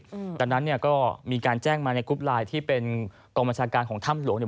ตอนนั้นก็มีการแจ้งมาในกรุ๊ปไลน์ที่เป็นกรรมชาติการของถ้ำหลวง